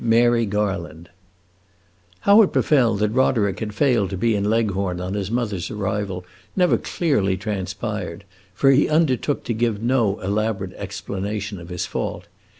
Mary Garland How it befell that Roderick had failed to be in Leghorn on his mother's arrival never clearly transpired; for he undertook to give no elaborate explanation of his fault.